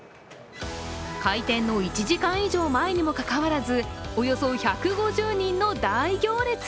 開店の１時間以上前にもかかわらずおよそ１５０人の大行列。